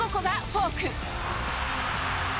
フォーク。